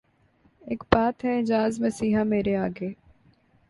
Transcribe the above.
اک بات ہے اعجاز مسیحا مرے آگے